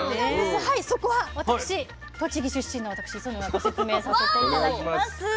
そこは私栃木出身の私礒野がご説明させて頂きます。